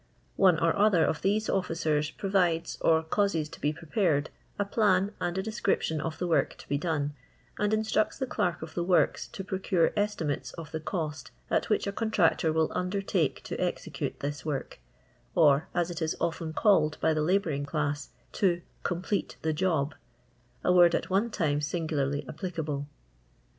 One or other of these oHicers provides, or canscj to be prepared, a plan and a description of the work to be done, and instructs the clerk of tiie works to procure ( "timatcs of the cost at which E contnictor will undertake to execute this work, or, as it is ofiin called by the labouring class, to "complete the Jol'* (a word at one time singularly applicable).